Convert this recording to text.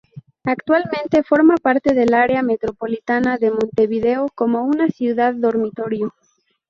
Actualmente forma parte del Área Metropolitana de Montevideo como una ciudad dormitorio.